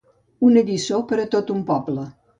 Una lliçó per a tot un poble.